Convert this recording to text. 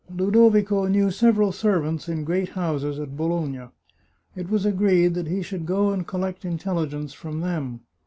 Ludovico knew several servants in great houses at Bologna. It was agreed that he should go and collect in telligence from them.